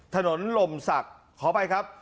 ถนนลมศักดิ์ขอไปครับ